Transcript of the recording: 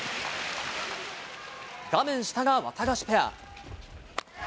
画面下がワタガシペア。